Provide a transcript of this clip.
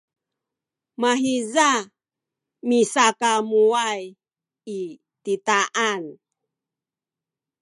mahiza misakamuway i titaan